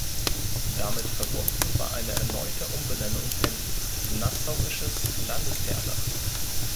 Damit verbunden war eine erneute Umbenennung in "Nassauisches Landestheater".